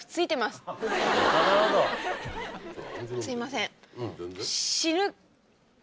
すいません。